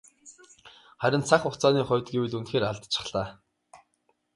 Харин цаг хугацааны хувьд гэвэл үнэхээр алдчихлаа.